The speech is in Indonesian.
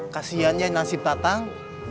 kasiannya nasib tatang